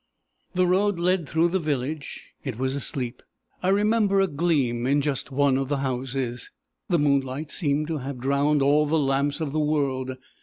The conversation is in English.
"The road led through the village. It was asleep. I remember a gleam in just one of the houses. The moonlight seemed to have drowned all the lamps of the world.